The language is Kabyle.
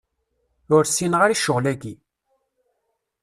Ur s-ssineɣ ara i ccɣel-aki.